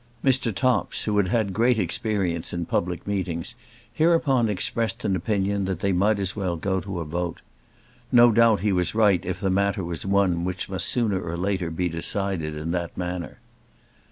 Mr. Topps, who had had great experience in public meetings, hereupon expressed an opinion that they might as well go to a vote. No doubt he was right if the matter was one which must sooner or later be decided in that manner.